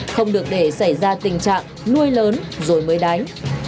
không được để xảy ra tình trạng nuôi lớn rồi mới đánh